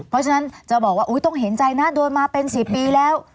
เพราะฉะนั้นจะบอกว่าต้องเห็นใจนะโดนมาเป็น๑๐ปีแล้ว